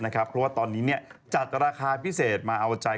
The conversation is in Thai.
เพราะว่าตอนนี้จัดราคาพิเศษมาเอาใจ